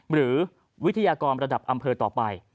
หรือวิทยากรระดับอำเภอต่อไป